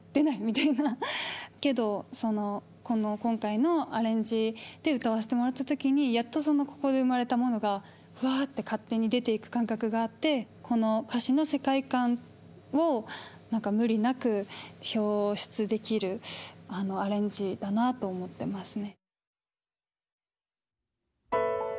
けどこの今回のアレンジで歌わせてもらった時にやっとそのここで生まれたものがわって勝手に出ていく感覚があってこの歌詞の世界観を無理なく表出できるアレンジだなと思ってますね。